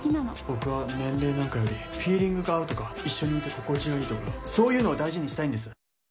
僕は年齢なんかよりフィーリングが合うとか一緒にいて心地がいいとかそういうのを大事にしたいんです。